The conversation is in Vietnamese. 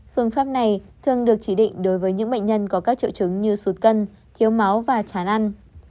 phương pháp này thường được chỉ định đối với những bệnh nhân có các triệu chứng như sụt cân thiếu máu và chán ăn